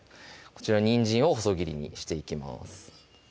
こちらにんじんを細切りにしていきます